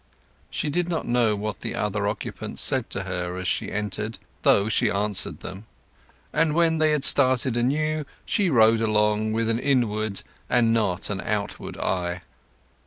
She did not know what the other occupants said to her as she entered, though she answered them; and when they had started anew she rode along with an inward and not an outward eye.